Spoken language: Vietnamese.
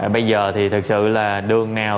bây giờ thì thực sự là đường nào